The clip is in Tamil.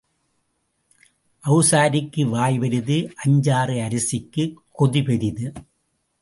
அவிசாரிக்கு வாய் பெரிது அஞ்சாறு அரிசிக்குக் கொதி பெரிது.